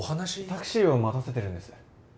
タクシーを待たせてるんです。